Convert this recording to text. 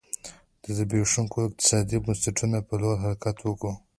د زبېښونکو اقتصادي بنسټونو په لور حرکت و.